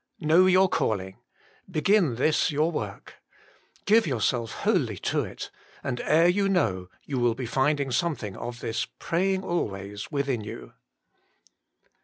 Know your calling ; begin this your work. Give yourself wholly to it, and ere you know you will be finding something of this "Praying always " within you.